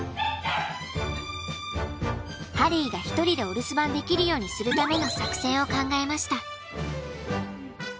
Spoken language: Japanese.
ハリーが一人でお留守番できるようにするための作戦を考えました。